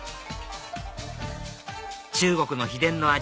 中国の秘伝の味